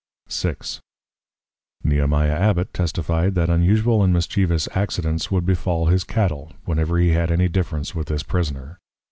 VI. Nehemiah Abbot testify'd, that unusual and mischievous Accidents would befal his Cattle, whenever he had any Difference with this Prisoner.